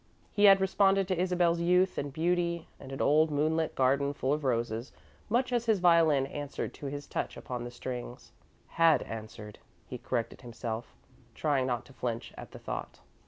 He had responded to Isabel's youth and beauty and an old moonlit garden full of roses much as his violin answered to his touch upon the strings. "Had answered," he corrected himself, trying not to flinch at the thought.